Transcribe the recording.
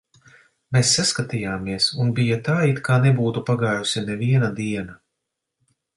Mēs saskatījāmies, un bija tā, it kā nebūtu pagājusi neviena diena.